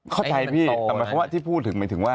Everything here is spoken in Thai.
เข้าใจพี่แต่หมายความว่าที่พูดถึงหมายถึงว่า